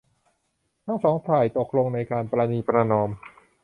ทั้งสองฝ่ายตกลงในการประนีประนอม